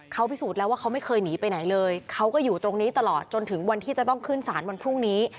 เขาพิสูจน์แล้วว่าเขาไม่เคยหนีไปไหนเลยเขาก็อยู่ตรงนี้ตลอดจนถึงวันที่จะต้องขึ้นสารวันพรุ่งนี้